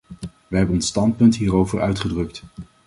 Wij hebben ons standpunt hierover uitgedrukt.